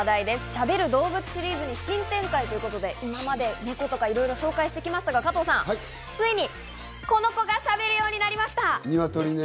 しゃべる動物シリーズに新展開ということで、今まで猫とかいろいろ紹介してきましたが、加藤さん、ついにこの子がしゃべるようになりました。